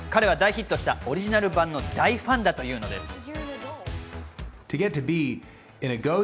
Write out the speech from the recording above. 彼は大ヒットしたオリジナル版の大ファンだというのです。